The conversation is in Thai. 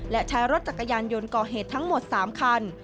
และใช้รถจักรยานยนต์ก่อเหตุทั้งหมด๓คัน